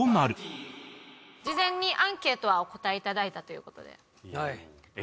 事前にアンケートはお答え頂いたという事で。